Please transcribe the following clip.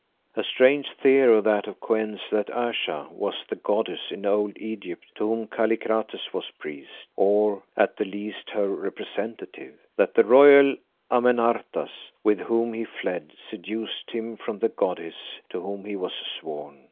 A strange theory that of Kou en's, that Ayesha was the goddess in old Egypt to whom Kallikrates was priest, or at the least her representative. That the royal Amenartas, with whom he fled, seduced him from the goddess to whom he was sworn.